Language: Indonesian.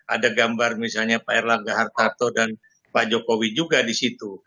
ada gambar misalnya pak erlangga hartarto dan pak jokowi juga di situ